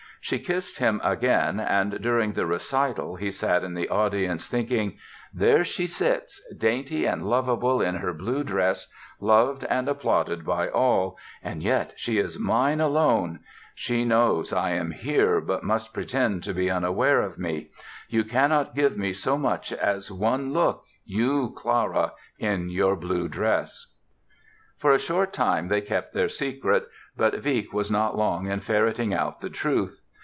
She kissed him again and during the recital he sat in the audience thinking: "There she sits, dainty and lovable in her blue dress, loved and applauded by all, and yet she is mine alone. She knows I am here but must pretend to be unaware of me. You cannot give me so much as one look, you, Clara, in your blue dress!" For a short time they kept their secret, but Wieck was not long in ferreting out the truth.